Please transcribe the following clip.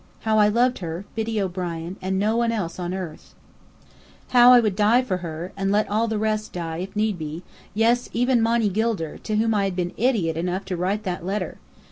How I loved her, Biddy O'Brien, and no one else on earth! How I would die for her, and let all the rest die, if need be, yes, even Monny Gilder, to whom I had been idiot enough to write that letter!